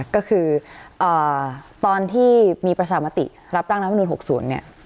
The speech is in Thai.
ก็คือเอ่อตอนที่มีประชามาติรับร่างรัฐมนูญหกศูนย์เนี้ย